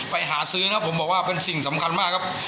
ไปหาซื้อนะครับผมบอกว่าเป็นสิ่งสำคัญมากครับ